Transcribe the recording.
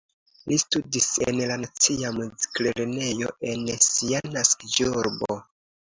Li studis en la nacia muziklernejo en sia naskiĝurbo.